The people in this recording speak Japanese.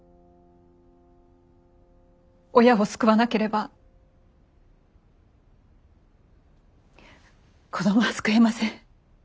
親を救わなければ子どもは救えません。